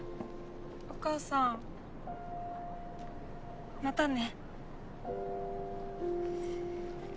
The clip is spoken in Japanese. お母さんまたね。